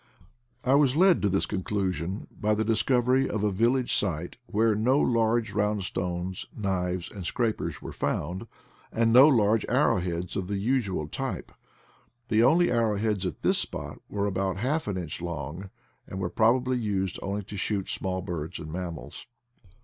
I was led to this conclusion by the dis covery of a village site where no large round stones, knives and scrapers were found, and no VALLEY OF THE BLACK EIVEB B9 large arrow heads of the usual type. The only arrow heads at this spot were about half an inch long, and were probably used only to shoot small birds and mammals.